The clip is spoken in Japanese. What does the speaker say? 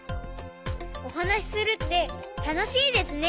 おはなしするってたのしいですね！